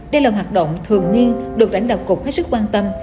đây là hoạt động thường nhiên được đảnh đạo cục hết sức quan tâm